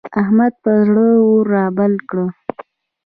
احمد پر زړه اور رابل کړ.